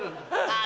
ああ！